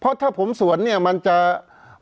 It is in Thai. เพราะฉะนั้นประชาธิปไตยเนี่ยคือการยอมรับความเห็นที่แตกต่าง